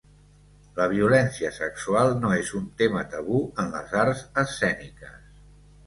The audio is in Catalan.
La violència sexual no és un tema tabú en les arts escèniques.